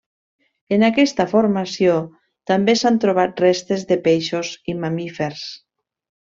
En aquesta formació també s'han trobat restes de peixos i mamífers.